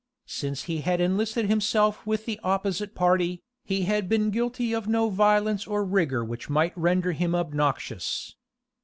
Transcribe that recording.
Since he had enlisted himself with the opposite party, he had been guilty of no violence or rigor which might render him obnoxious.